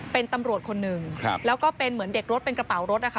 เป็นตำรวจคนหนึ่งครับแล้วก็เป็นเหมือนเด็กรถเป็นกระเป๋ารถนะคะ